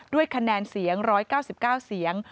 ด้วยคะแนนเสียง๑๙๙เสียง